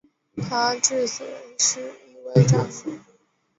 他至死仍是一位战俘。